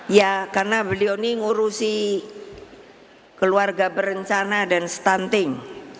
ya karena beliau ini ngurusi keluarga berencana dan stunting